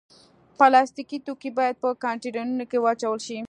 پلاستيکي توکي باید په کانټینرونو کې واچول شي.